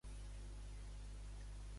Hi ha textos seus fora d'Espanya?